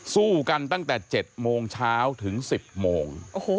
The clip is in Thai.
สู้กันตั้งแต่๗โมงเช้าถึง๑๐โมง